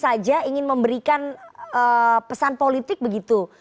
saja ingin memberikan pesan politik begitu